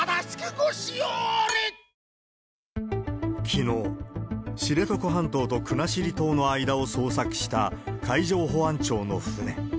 きのう、知床半島と国後島の間を捜索した海上保安庁の船。